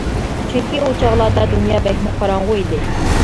چۈنكى ئۇ چاغلاردا دۇنيا بەكمۇ قاراڭغۇ ئىدى.